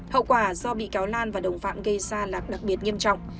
hậu quả do bị cáo lan và đồng phạm gây xa lạc đặc biệt nghiêm trọng